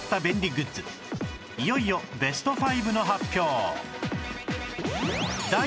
いよいよベスト５の発表